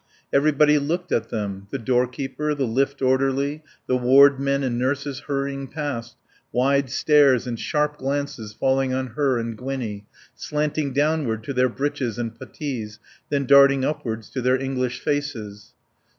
Everybody looked at them: the door keeper, the lift orderly; the ward men and nurses hurrying past; wide stares and sharp glances falling on her and Gwinnie, slanting downward to their breeches and puttees, then darting upwards to their English faces.